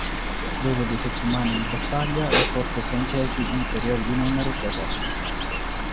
Dopo due settimane di battaglia, le forze francesi, inferiori di numero, si arresero.